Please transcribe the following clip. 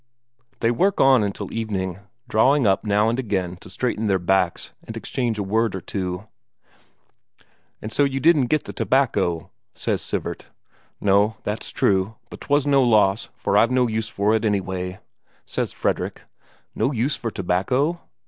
They work on until evening, drawing up now and again to straighten their backs, and exchange a word or so. "And so you didn't get the tobacco?" says Sivert. "No, that's true. But 'twas no loss, for I've no use for it, anyway," says Fredrik. "No use for tobacco?"